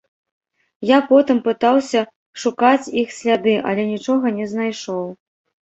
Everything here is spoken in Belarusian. Я потым пытаўся шукаць іх сляды, але нічога не знайшоў.